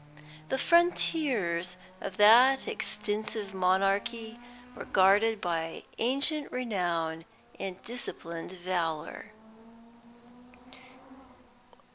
The frontiers of that extensive monarchy were guarded by ancient renown and disciplined valour."